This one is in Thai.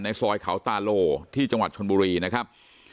ซอยเขาตาโลที่จังหวัดชนบุรีนะครับ